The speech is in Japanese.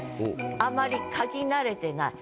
あまり嗅ぎ慣れてない。